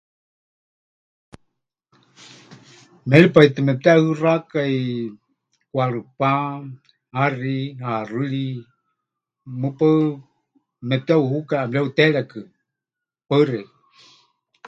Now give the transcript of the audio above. Méripai tɨ mepɨteʼɨɨxákai kwarɨpá, haxi, haxɨri, mɨpaɨ mepɨteʼuhukai ʼemɨreuteerékɨ. Paɨ xeikɨ́a.